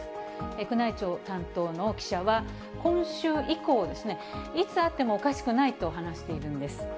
宮内庁担当の記者は、今週以降、いつ会ってもおかしくないと話しているんです。